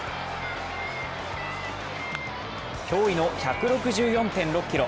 驚異の１６４．６キロ。